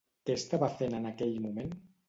Què estava fent en aquell moment?